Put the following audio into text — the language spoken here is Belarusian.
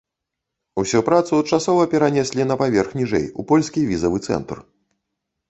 Усю працу часова перанеслі на паверх ніжэй у польскі візавы цэнтр.